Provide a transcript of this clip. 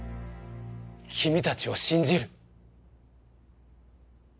君たちを信じる。